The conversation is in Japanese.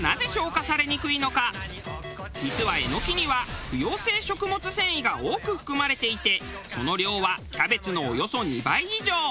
実はエノキには不溶性食物繊維が多く含まれていてその量はキャベツのおよそ２倍以上。